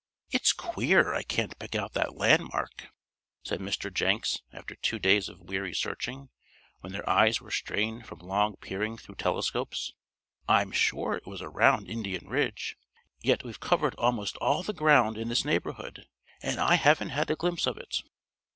"It's queer I can't pick out that landmark," said Mr. Jenks after two days of weary searching, when their eyes were strained from long peering through telescopes. "I'm sure it was around Indian Ridge, yet we've covered almost all the ground in this neighborhood, and I haven't had a glimpse of it."